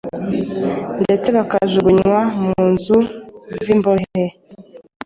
ndetse bakajugunywa mu nzu z’imbohe.